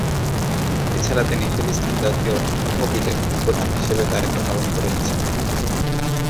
এছাড়া, তিমি ফিলিস্তিন জাতীয় তহবিলের প্রধান হিসেবেও দায়িত্ব পালন করেছিলেন।